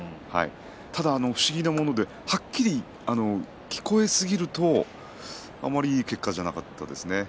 ただ不思議なものではっきり聞こえすぎるとあまりいい結果じゃなかったですね。